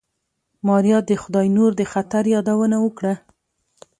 ماريا د خداينور د خطر يادونه وکړه.